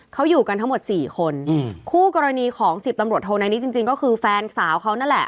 เขาอยู่กันทั้งหมดสี่คนอืมคู่กรณีของสิบตำรวจโทในนี้จริงจริงก็คือแฟนสาวเขานั่นแหละ